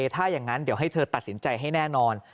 ถ้าอย่างนั้นเดี๋ยวให้เธอตัดสินใจให้แน่นอน